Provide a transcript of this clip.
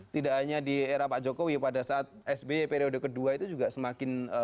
tidak hanya di era pak jokowi pada saat sby periode kedua itu juga semakin